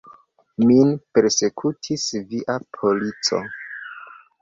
Min persekutis via polico.